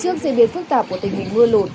trước diễn biến phức tạp của tình hình mưa lụt